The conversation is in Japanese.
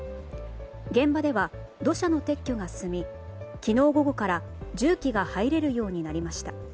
現場では、土砂の撤去が進み昨日午後から重機が入れるようになりました。